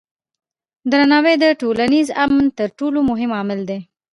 درناوی د ټولنیز امن تر ټولو مهم عامل دی.